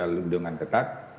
kita harus bekerja dengan ketat